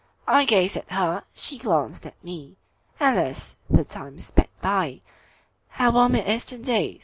I gazed at her, she glanced at me; Alas! the time sped by:"How warm it is to day!"